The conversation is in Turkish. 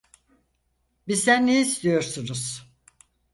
Bizden ne istiyorsunuz?